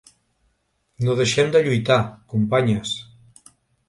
No deixem de lluitar, companyes!